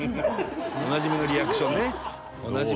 おなじみのリアクションね。